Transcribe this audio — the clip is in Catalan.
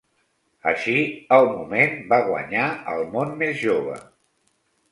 Així, el moment va guanyar al món més jove.